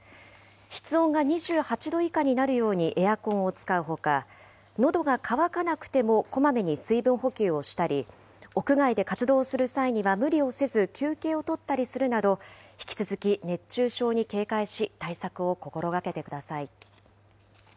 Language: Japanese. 室温が２８度以下になるようにエアコンを使うほか、のどが渇かなくてもこまめに水分補給をしたり、屋外で活動する際には、無理をせず休憩を取ったりするなど、引き続き熱中症に警戒し、対策を心がけてください。